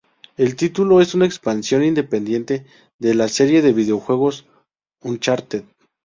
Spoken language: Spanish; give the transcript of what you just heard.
El título es una expansión independiente de la serie de videojuegos "Uncharted".